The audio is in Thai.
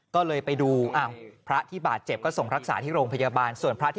ก็เลยไปดูพระที่บาดเจ็บก็ส่งรักษาที่โรงพยาบาลส่วนพระที่